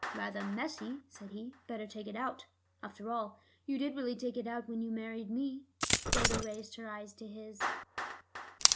"Rather messy," said he. "Better take it out. After all, you did really take it out when you married me." Dodo raised her eyes to his.